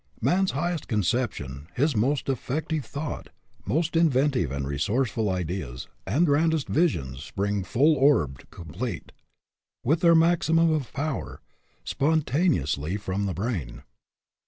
Man's highest conception, his most effective thought, most inventive and resourceful ideas, and grandest visions spring full orbed, complete, with their maximum of power, spontaneously from the brain.